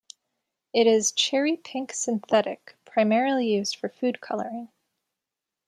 It is cherry-pink synthetic, primarily used for food coloring.